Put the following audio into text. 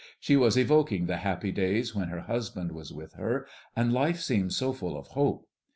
She was evoking the happy days when her husband was with her, and life seemed so full of hope.